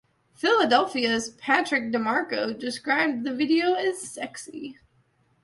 "Philadelphia"'s Patrick DeMarco described the video as "sexy".